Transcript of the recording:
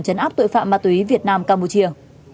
chấn áp tội phạm ma túy việt nam campuchia